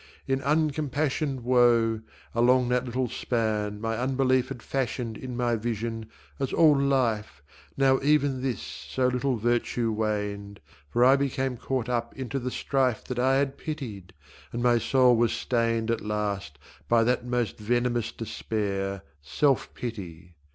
In uncompassioned woe Along that little span my unbelief Had fashioned in my vision as all life. Now even this so little virtue waned, For I became caught up into the strife That I had pitied, and my soul was stained At last by that most venomous despair, Self pity.